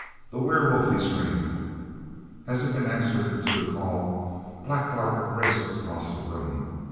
"The werewolf," he screamed. As if in answer to the call, Black Bart raced across the room.